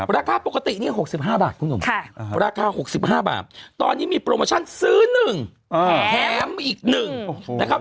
ราคาปกตินี่๖๕บาทคุณหนุ่มราคา๖๕บาทตอนนี้มีโปรโมชั่นซื้อ๑แถมอีก๑นะครับ